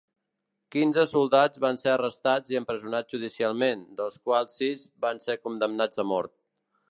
Quinze soldats van ser arrestats i empresonats judicialment, dels quals sis van ser condemnats a mort.